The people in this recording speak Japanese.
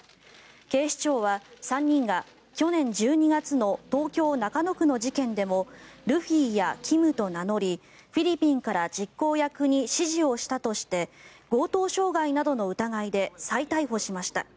警視庁は、３人が去年１２月の東京・中野区の事件でもルフィやキムと名乗りフィリピンから実行役に指示をしたとして強盗傷害などの疑いで再逮捕しました。